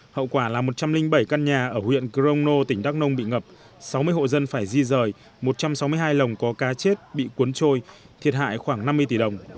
hậu quả là một trăm linh bảy căn nhà ở huyện crono tỉnh đắk nông bị ngập sáu mươi hộ dân phải di rời một trăm sáu mươi hai lồng có cá chết bị cuốn trôi thiệt hại khoảng năm mươi tỷ đồng